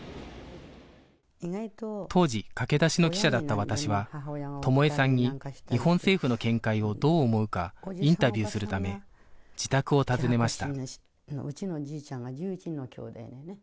当時駆け出しの記者だった私は友枝さんに日本政府の見解をどう思うかインタビューするため自宅を訪ねました